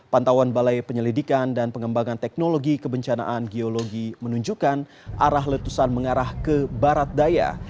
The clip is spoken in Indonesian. pantauan balai penyelidikan dan pengembangan teknologi kebencanaan geologi menunjukkan arah letusan mengarah ke barat daya